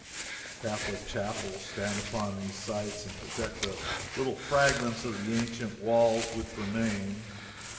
Catholic chapels stand upon these sites and protect the little fragments of the ancient walls which remain.